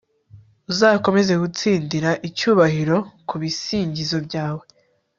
Uzakomeza gutsindira icyubahiro kubisingizo byawe